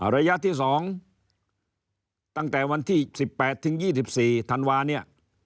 ระยะที่๒ตั้งแต่วันที่๑๘๒๔ธันวาคม